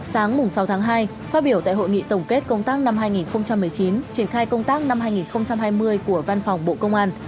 sáng sáu tháng hai phát biểu tại hội nghị tổng kết công tác năm hai nghìn một mươi chín triển khai công tác năm hai nghìn hai mươi của văn phòng bộ công an